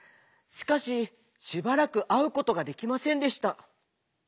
しかししばらくあうことができませんでした。